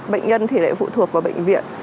bệnh nhân thì lại phụ thuộc vào bệnh viện